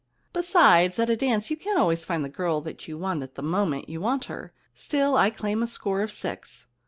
Besides, at a dance you can't always find the girl you want at the moment you want her. Still, I claim a score of six.'